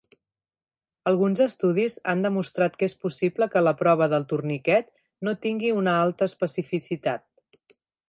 Alguns estudis han demostrat que és possible que la prova del torniquet no tenir una alta especificitat.